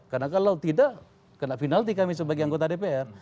karena kalau tidak kena final di kami sebagai anggota dpr